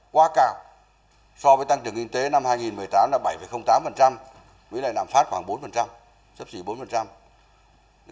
quá cao so với tăng trưởng kinh tế năm hai nghìn một mươi tám là bảy tám với lại làm phát khoảng bốn sắp xỉ bốn